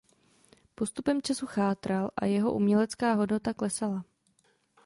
Postupem času chátral a jeho umělecká hodnota klesala.